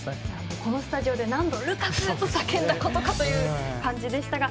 このスタジオで何度「ルカク！」と叫んだかという感じでしたが。